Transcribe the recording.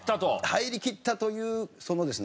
入りきったというそのですね